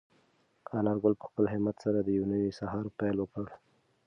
انارګل په خپل همت سره د یو نوي سهار پیل وکړ.